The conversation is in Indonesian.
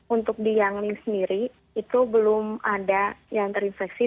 untuk di yanglni sendiri itu belum ada yang terinfeksi